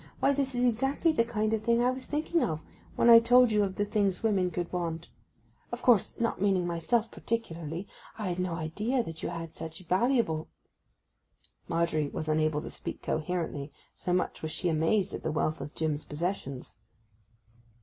Why, this is exactly the kind of thing I was thinking of when I told you of the things women could want—of course not meaning myself particularly. I had no idea that you had such valuable—' Margery was unable to speak coherently, so much was she amazed at the wealth of Jim's possessions.